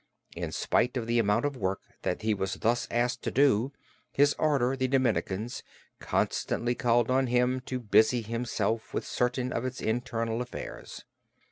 In spite of the amount of work that he was thus asked to do, his order, the Dominican, constantly called on him to busy himself with certain of its internal affairs.